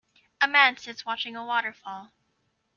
A man sits watching a waterfall.